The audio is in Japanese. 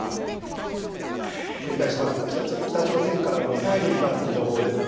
繰り返します、北朝鮮からのミサイルに関する情報です。